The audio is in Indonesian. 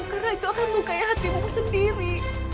karena itu akan menggaya hatimu sendiri